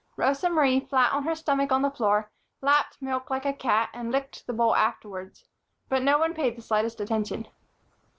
Rosa Marie, flat on her stomach on the floor, lapped milk like a cat and licked the bowl afterwards; but now no one paid the slightest attention.